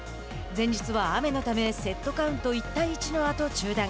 前日は雨のためセットカウント１対１のあと中断。